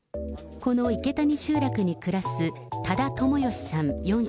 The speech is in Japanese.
この池谷集落に暮らす、多田ともよしさん